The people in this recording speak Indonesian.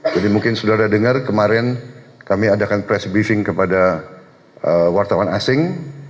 jadi mungkin sudah ada dengar kemarin kami adakan press briefing kepada wartawan asing